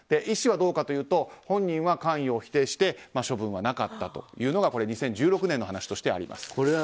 医師はどうかというと本人は関与を否定して処分はなかったというのが２０１６年の話としてあります。